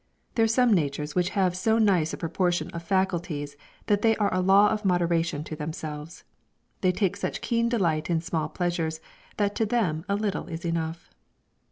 There are some natures which have so nice a proportion of faculties that they are a law of moderation to themselves. They take such keen delight in small pleasures that to them a little is enough.